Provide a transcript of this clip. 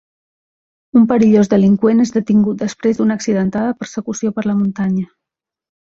Un perillós delinqüent és detingut després d'una accidentada persecució per la muntanya.